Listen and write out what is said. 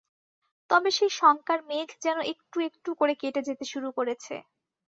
তবে সেই শঙ্কার মেঘ যেন একটু একটু করে কেটে যেতে শুরু করেছে।